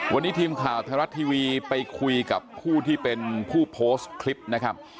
วันนี้ทีมข่าวไทยรัฐทีวีไปคุยกับผู้ที่เป็นผู้โพสต์คลิปนะครับ